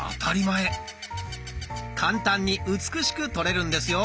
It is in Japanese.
簡単に美しく撮れるんですよ。